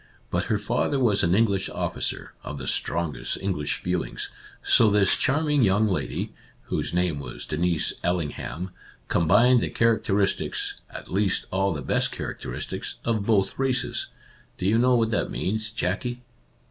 But her father was an English officer, of the strongest English feel ings, so this charming young lady (whose name was Denise Allingham) combined the characteristics — at least all the best character istics — of both races. Do you know what that means, Jackie